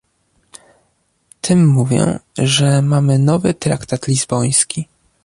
Tym mówię, że mamy nowy traktat lizboński